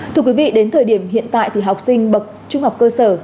thưa quý vị đến thời điểm hiện tại thì học sinh bậc trung học cơ sở